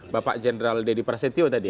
bapak jenderal deddy prasetyo tadi